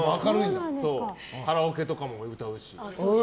カラオケとかも歌うし。